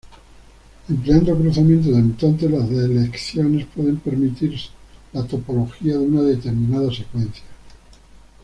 Empleando cruzamientos de mutantes, las deleciones pueden permitir la topología de una determinada secuencia.